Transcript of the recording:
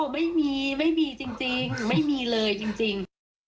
ไม่มีไม่มีจริงไม่มีเลยจริง